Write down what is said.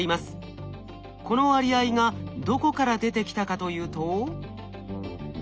この割合がどこから出てきたかというと。